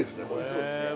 そうですね